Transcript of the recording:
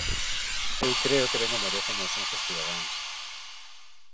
Eu creo que ben o merecen os nosos cidadáns.